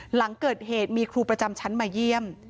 หลังเกิดเหตุมีครูประจำชั้นมาเยี่ยม